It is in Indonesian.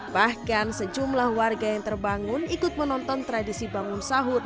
bahkan sejumlah warga yang terbangun ikut menonton tradisi bangun sahur